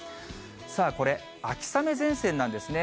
さあ、これ、秋雨前線なんですね。